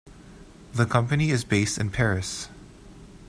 The company is based in Paris.